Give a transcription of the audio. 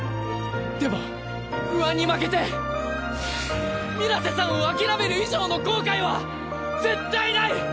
でも不安に負けて水瀬さんを諦める以上の後悔は絶対ない！